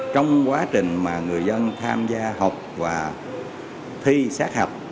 trong quá trình mà người dân tham gia học và thi sát hạch